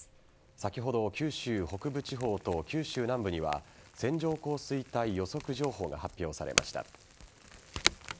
先ほど九州北部地方と九州南部には線状降水帯予測情報が発表されました。